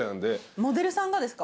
モデルさんがですか？